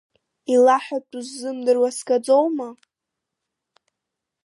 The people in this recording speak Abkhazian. Илаҳәатәу сзымдыруа, сгаӡоума!